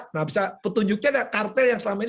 nah bisa petunjuknya ada kartel yang selama ini